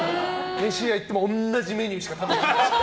飯屋行っても同じメニューしか頼まない。